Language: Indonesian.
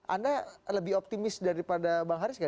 anda lebih optimis daripada bang haris nggak